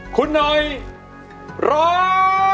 คุณเนยร้อง